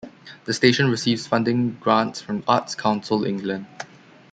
The station receives funding grants from Arts Council England.